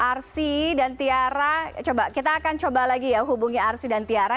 arsy dan tiara coba kita akan coba lagi ya hubungi arsy dan tiara